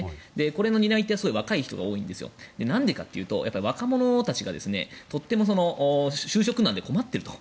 その担い手は若い人が多くてなんでかというと、若者たちがとても就職難で困っていると。